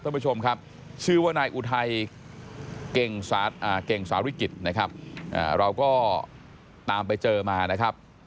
ท่านผู้ชมครับชื่อว่านายอุทัยเก่งสาริกิจนะครับเราก็ตามไปเจอมานะครับ